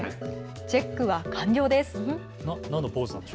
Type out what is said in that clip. チェックは完了です。